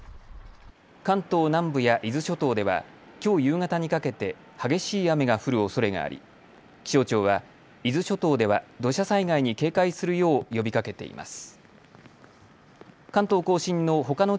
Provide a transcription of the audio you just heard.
関東南部や伊豆諸島ではきょう夕方にかけて激しい雨が降るおそれがあり気象庁は伊豆諸島では土砂災害に警戒するよう呼びかけています。